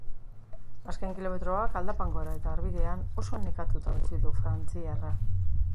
Azken kilometroak, aldapan gora eta harbidean, oso nekatuta utzi du frantziarra.